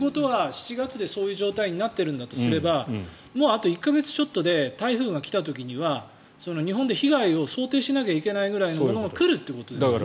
７月でそういう状態になっているんだとすればあと１か月ちょっとで台風が来た時には、日本で被害を想定しなきゃいけないぐらいのものが来るということですよね。